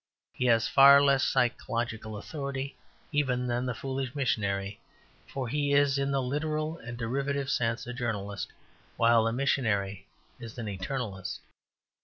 He has far less psychological authority even than the foolish missionary. For he is in the literal and derivative sense a journalist, while the missionary is an eternalist.